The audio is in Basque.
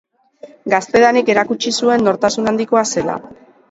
Gaztedanik erakutsi zuen nortasun handikoa zela.